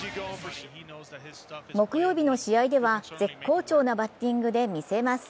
木曜日の試合では絶好調なバッティングで見せます。